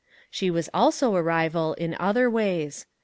She was also a rival in other ways.